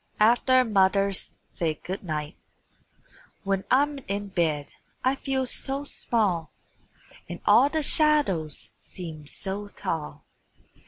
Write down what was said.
AFTER MOTHER'S SAID GOOD NIGHT When I'm in bed I feel so small, And all the shadows seem so tall.